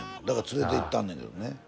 だから連れていったんねんけどね。